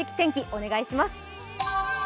お願いします。